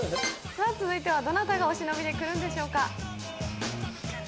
さぁ続いてはどなたがお忍びで来るんでしょうか。